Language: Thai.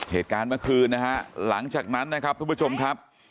เหตุการณ์เมื่อคืนนะฮะหลังจากนั้นนะครับทุกผู้ชมครับ